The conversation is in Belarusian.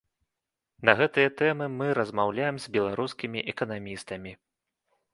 На гэтыя тэмы мы размаўляем з беларускімі эканамістамі.